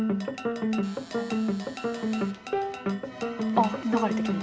あっ流れてくる。